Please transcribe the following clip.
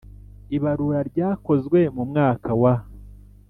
Ibarura ryakozwe mu mwaka wa